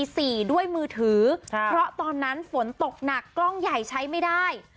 ฉะนั้นฝนตกหนักกล้องใหญ่ใช้ไม่ได้